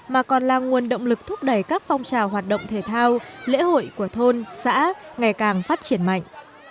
mà còn là nguồn động lực thúc đẩy các phong trào hoạt động thể thao lễ hội của thôn xã ngày càng phát triển mạnh